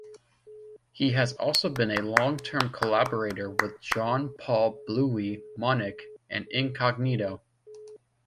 He has also been a long-term collaborator with Jean-Paul 'Bluey' Maunick and Incognito.